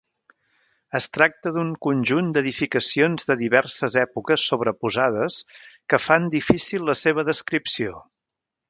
Es tracta d’un conjunt d’edificacions de diverses èpoques sobreposades que fan difícil la seva descripció.